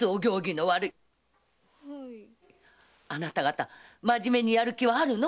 あなた方まじめにやる気はあるの？